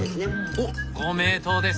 おっご名答です。